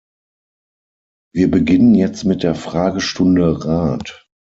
Wir beginnen jetzt mit der Fragestunde Rat.